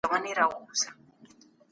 ولسي جرګي به نوی بوديجه تصويب کړي وي.